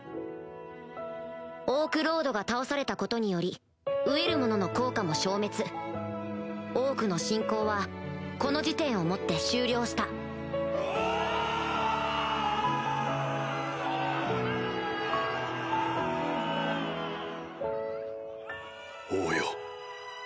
オークロードが倒されたことによりウエルモノの効果も消滅オークの侵攻はこの時点をもって終了した王よ。